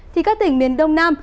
thì các tỉnh miền đông nam